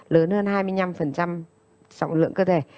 lớn hơn hai mươi năm trọng lượng cơ thể